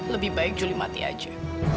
lebih baik juli mati aja